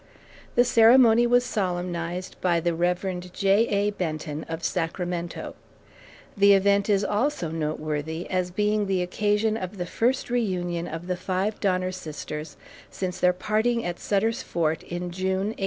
The ceremony was solemnized by the Rev. J.A. Benton, of Sacramento. The event is also noteworthy as being the occasion of the first reunion of the five Donner sisters since their parting at Sutter's Fort in June, 1847.